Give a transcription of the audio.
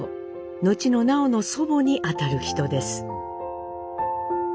後の南朋の祖母に当たる人です。